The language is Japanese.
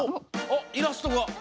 あっイラストが！